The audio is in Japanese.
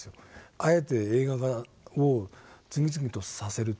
あえて映画化を次々とさせるという。